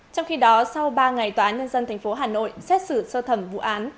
trong khi đó sau ba ngày tòa án nhân dân tp hà nội xét xử sơ thẩm vụ án